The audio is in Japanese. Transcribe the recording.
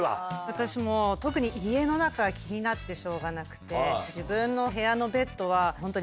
私も特に家の中気になってしょうがなくて。